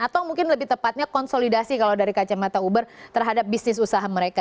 atau mungkin lebih tepatnya konsolidasi kalau dari kacamata uber terhadap bisnis usaha mereka